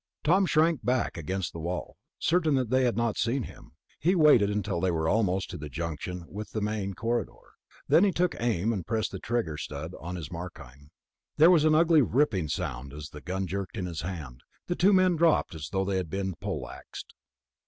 Tom shrank back against the wall, certain they had not seen him. He waited until they were almost to the junction with the main corridor; then he took aim and pressed the trigger stud on his Markheim. There was an ugly ripping sound as the gun jerked in his hand. The two men dropped as though they had been pole axed.